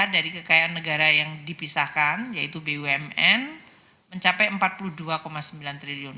dari kekayaan negara yang dipisahkan yaitu bumn mencapai rp empat puluh dua sembilan triliun